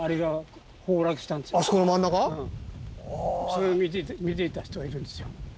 それを見ていた人がいるんですよ。